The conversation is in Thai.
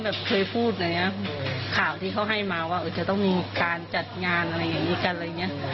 แบบเคยพูดอะไรอย่างเงี้ยข่าวที่เขาให้มาว่าจะต้องมีการจัดงานอะไรอย่างนี้กันอะไรอย่างเงี้ย